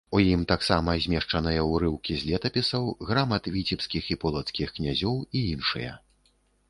У ім таксама змешчаныя ўрыўкі з летапісаў, грамат віцебскіх і полацкіх князёў і іншыя.